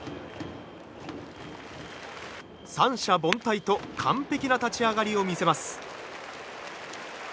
三者凡退と完璧な立ち上がりを見せます。